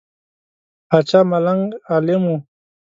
پاچا ملنګ عالم وو.